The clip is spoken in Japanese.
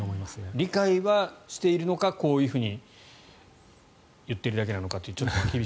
理解をしているのかこういうふうに言っているだけなのか。